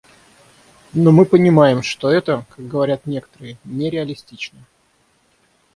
Но мы понимаем, что это, как говорят некоторые, не реалистично.